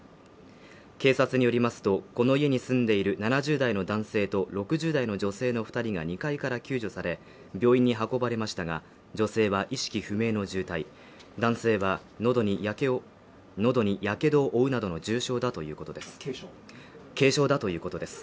警察によりますとこの家に住んでいる７０代の男性と６０代の女性の二人が２階から救助され病院に運ばれましたが女性は意識不明の重体男性はのどにやけどを負うなどの軽症だということです